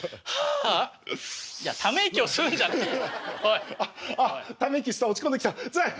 あっため息吸ったら落ち込んできた。